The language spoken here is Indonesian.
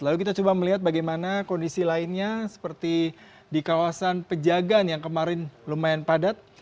lalu kita coba melihat bagaimana kondisi lainnya seperti di kawasan pejagan yang kemarin lumayan padat